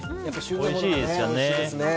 おいしいですよね。